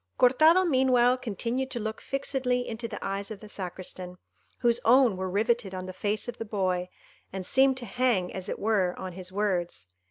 Cortado meanwhile continued to look fixedly into the eyes of the Sacristan, whose own were rivetted on the face of the boy, and seemed to hang, as it were, on his words.